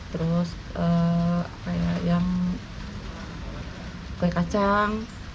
terus kue kacang